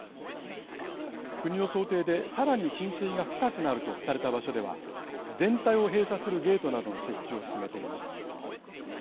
国の想定でさらに浸水が深くなるとされた場所では全体を閉鎖するゲートなどの設置を進めています。